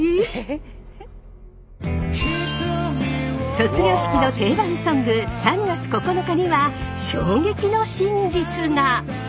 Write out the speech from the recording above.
卒業式の定番ソング「３月９日」には衝撃の真実が！